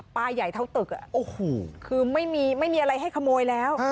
ป้ายใหญ่เท่าตึกอ่ะโอ้โหคือไม่มีไม่มีอะไรให้ขโมยแล้ว